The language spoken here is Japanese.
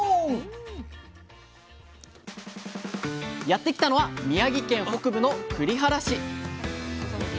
やって来たのは宮城県北部の栗原市。